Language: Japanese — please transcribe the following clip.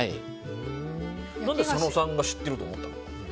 何で佐野さんが知ってると思ったの？